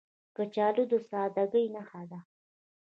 کچالو د سادګۍ نښه ده